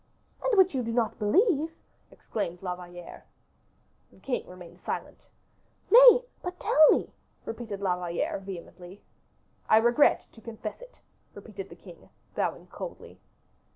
"And which you do not believe?" exclaimed La Valliere. The king remained silent. "Nay, but tell me!" repeated La Valliere, vehemently. "I regret to confess it," repeated the king, bowing coldly.